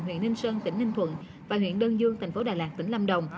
huyện ninh sơn tỉnh ninh thuận và huyện đơn dương thành phố đà lạt tỉnh lâm đồng